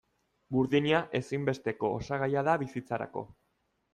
Burdina ezinbesteko osagaia da bizitzarako.